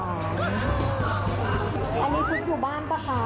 อยู่บ้านเมืองแดงแบบนี้